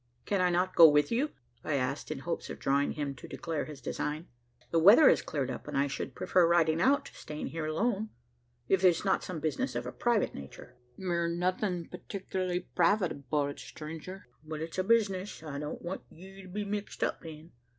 "Can I not go with you?" I asked in hopes of drawing him to declare his design. "The weather has cleared up; and I should prefer riding out, to staying here alone. If it is not some business of a private nature " "Thar's nothin' particularly private about it, stranger; but it's a bizness I don't want you to be mixed up in.